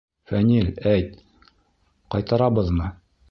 — Фәнил, әйт, ҡайтарабыҙмы?